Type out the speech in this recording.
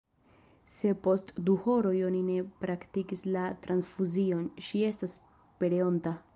Se post du horoj oni ne praktikis la transfuzion, ŝi estas pereonta.